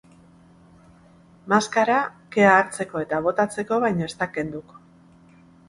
Maskara kea hartzeko eta botatzeko baino ez da kenduko.